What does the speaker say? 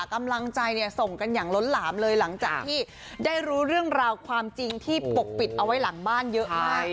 กำลังใจเนี่ยส่งกันอย่างล้นหลามเลยหลังจากที่ได้รู้เรื่องราวความจริงที่ปกปิดเอาไว้หลังบ้านเยอะมาก